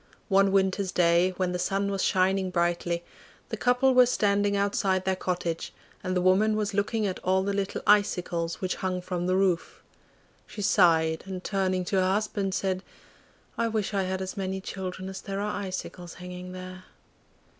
One winter's day, when the sun was shining brightly, the couple were standing outside their cottage, and the woman was looking at all the little icicles which hung from the roof. She sighed, and turning to her husband said, 'I wish I had as many children as there are icicles hanging there.